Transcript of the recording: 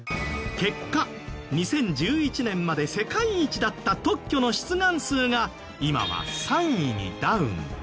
結果２０１１年まで世界一だった特許の出願数が今は３位にダウン。